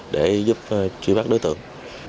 để giúp trí bắt đối tượng